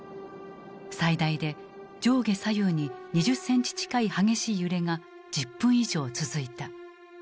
最大で上下左右に２０センチ近い激しい揺れが１０分以上続いた。